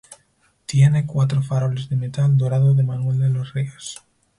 Tiene cuatro faroles de metal dorado de Manuel de los Ríos.